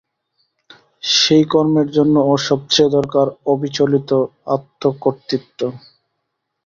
সেই কর্মের জন্য ওর সব চেয়ে দরকার অবিচলিত আত্মকর্তৃত্ব।